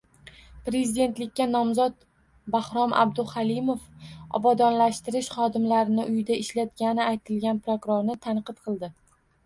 Prezidentlikka nomzod Bahrom Abduhalimov obodonlashtirish xodimlarini uyida ishlatgani aytilgan prokurorni tanqid qildi